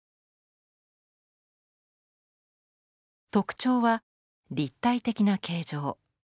特徴は立体的な形状。